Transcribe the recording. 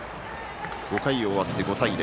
５回終わって５対０。